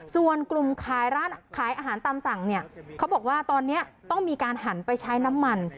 ส่วนกลุ่มขายร้านขายอาหารตามสั่งเนี่ยเขาบอกว่าตอนนี้ต้องมีการหันไปใช้น้ำมัน